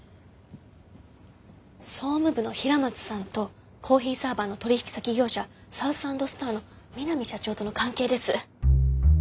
総務部の平松さんとコーヒーサーバーの取引先業者サウス＆スターの三並社長との関係です。